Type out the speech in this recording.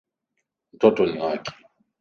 Mtoto ni wake.